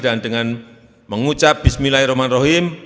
dan dengan mengucap bismillahirrahmanirrahim